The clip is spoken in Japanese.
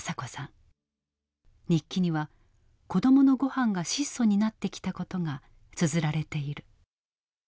日記には子供の御飯が質素になってきたことがつづられている。